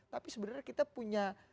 tapi sebenarnya kita punya